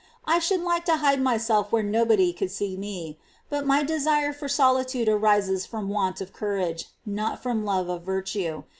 I should like to hide myself where nobody could see me ; but my desire for solitude arises fi'om want of courage, not from love of virtue.